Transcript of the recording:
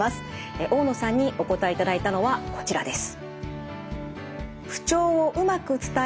大野さんにお答えいただいたのはこちらです。